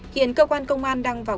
hiện cơ quan công an đang vào